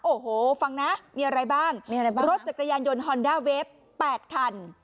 โอ้โหฟังนะมีอะไรบ้างมีอะไรบ้างรถจักรยานยนต์ฮอนด้าเวฟ๘คัน